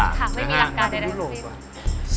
ครับไม่มีหลักการเลยนะครับพี่